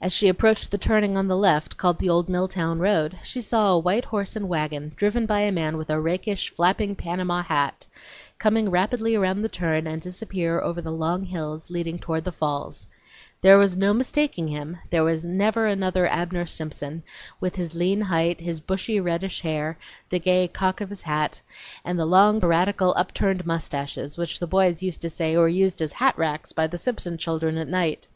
As she approached the turning on the left called the old Milltown road, she saw a white horse and wagon, driven by a man with a rakish, flapping, Panama hat, come rapidly around the turn and disappear over the long hills leading down to the falls. There was no mistaking him; there never was another Abner Simpson, with his lean height, his bushy reddish hair, the gay cock of his hat, and the long piratical, upturned mustaches, which the boys used to say were used as hat racks by the Simpson children at night..